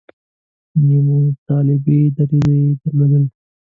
نیمو طالبي دریځونه یې درلودل.